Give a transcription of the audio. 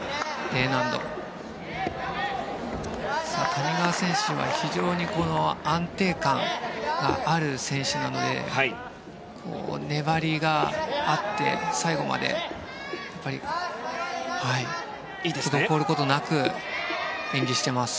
谷川選手は非常にこの安定感がある選手なので粘りがあって最後まで滞ることなく演技しています。